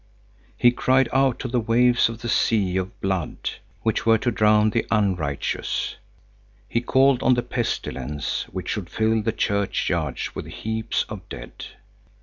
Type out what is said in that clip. He cried out to the waves of the sea of blood, which were to drown the unrighteous. He called on the pestilence, which should fill the churchyards with heaps of dead.